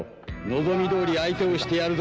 望みどおり相手をしてやるぞ。